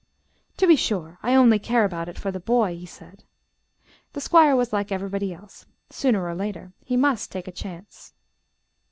"To be sure, I only care about it for the boy," he said. The Squire was like everybody else; sooner or later he must "take a chance."